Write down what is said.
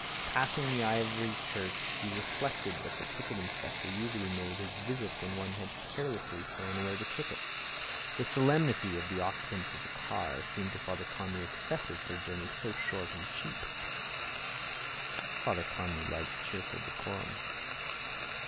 Passing the ivy church he reflected that the ticket inspector usually made his visit when one had carelessly thrown away the ticket. The solemnity of the occupants of the car seemed to Father Conmee excessive for a journey so short and cheap. Father Conmee liked cheerful decorum.